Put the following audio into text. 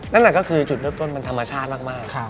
นั่นก็คือจุดเริ่มต้นมันธรรมชาติมาก